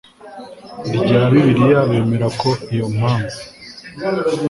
rya bibiliya bemera ko iyi 'mpamvu